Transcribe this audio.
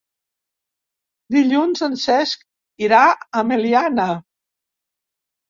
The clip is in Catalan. Dilluns en Cesc irà a Meliana.